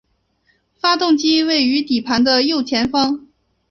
发动机位于底盘的右前方。